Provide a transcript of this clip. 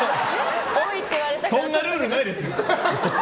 そんなルールないですよ。